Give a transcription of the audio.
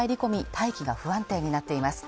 大気が不安定になっています